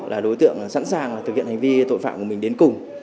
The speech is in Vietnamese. là đối tượng sẵn sàng thực hiện hành vi tội phạm của mình đến cùng